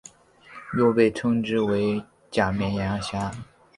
又被称之为假绵羊虾。